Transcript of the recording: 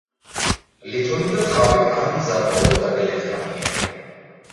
ლითონი და ტყავი არ მზადდებოდა გლეხთა მიერ.